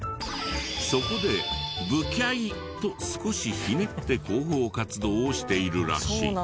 そこで「ぶきゃい」と少しひねって広報活動をしているらしい。